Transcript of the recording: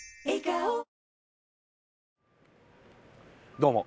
どうも。